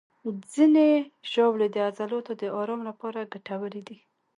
ځینې ژاولې د عضلاتو د آرام لپاره ګټورې دي.